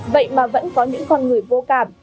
vậy mà vẫn có những con người vô cảm